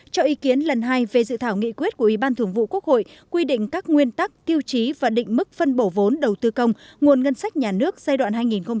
cho ý kiến lần hai về sự thảo nghị quyết của ubthq quy định các nguyên tắc tiêu chí và định mức phân bổ vốn đầu tư công nguồn ngân sách nhà nước giai đoạn hai nghìn hai mươi một hai nghìn hai mươi năm